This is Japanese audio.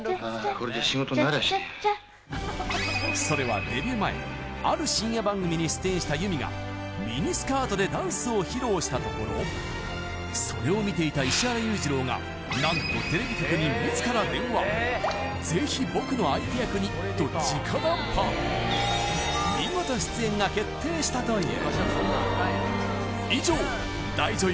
これじゃ仕事になりゃしねえやチャッチャッチャッそれはデビュー前ある深夜番組に出演した由美がミニスカートでダンスを披露したところそれを見ていた石原裕次郎が何とテレビ局に自ら電話「ぜひ僕の相手役に」と直談判見事出演が決定したという以上大女優